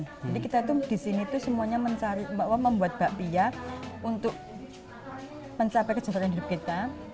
jadi kita di sini semuanya membuat mbak pia untuk mencapai kejajaran hidup kita